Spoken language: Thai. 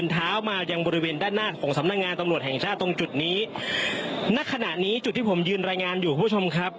ตรงจุดนี้นาขณะนี้จุดที่ผมยืนรายงานอยู่กับคุณผู้ชมครับ